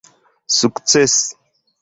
sukcesi